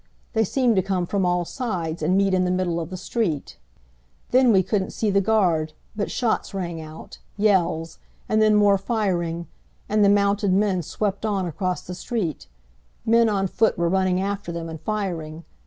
They seemed to come from all sides, and meet in the middle of the street. Then we couldn't see the guard, but shots rang out, yells, and then more firing; and the mounted men swept on across the street. Men on foot were running after them and firing.